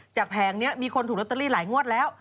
แผงนี้มีคนถูกลอตเตอรี่หลายงวดแล้ว